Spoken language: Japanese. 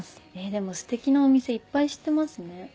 でもステキなお店いっぱい知ってますね。